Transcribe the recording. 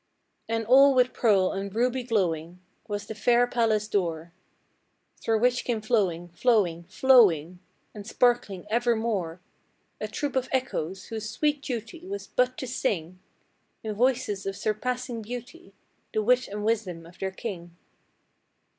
And all with pearl and ruby glowing Was the fair palace door, Through which came flowing, flowing, flowing, And sparkling evermore, A troop of Echoes, whose sweet duty Was but to sing, In voices of surpassing beauty, The wit and wisdom of their king.